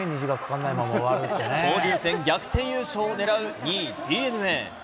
交流戦逆転優勝を狙う２位ＤｅＮＡ。